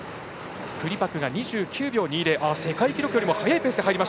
クリパク、２９秒２０世界記録より速いペース。